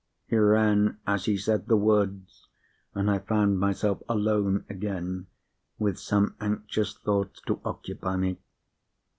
He ran as he said the words—and I found myself alone again, with some anxious thoughts to occupy me.